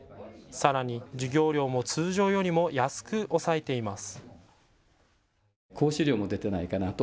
さらに授業料も通常よりも安く抑えています。